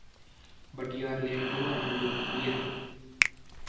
But you are late too, and look weary.